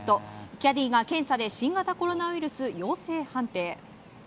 キャディーが検査で新型コロナウイルス陽性判定。